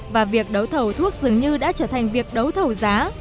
và việc đấu thầu thuốc dường như đã trở thành việc đấu thầu giá